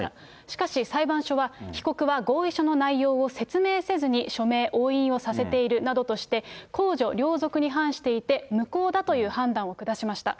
しかし、裁判所は、被告は合意書の内容を説明せずに署名押印をさせているなどとして、公序良俗に反していて無効だという判断を下しました。